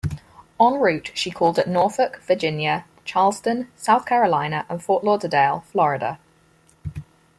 En route she called at Norfolk, Virginia; Charleston, South Carolina; and Fort Lauderdale, Florida.